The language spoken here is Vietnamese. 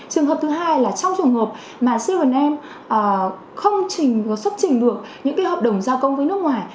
trường hợp thứ hai là trong trường hợp mà bảy m không xuất trình được những hợp đồng gia công với nước ngoài